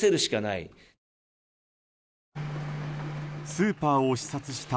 スーパーを視察した